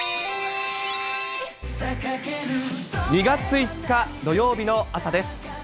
２月５日土曜日の朝です。